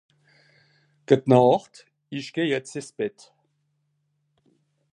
Gutnacht isch geh jetzt ins Bett